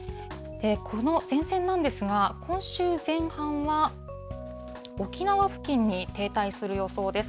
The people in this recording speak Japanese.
この前線なんですが、今週前半は沖縄付近に停滞する予想です。